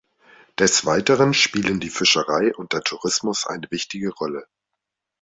Des Weiteren spielen die Fischerei und der Tourismus eine wichtige Rolle.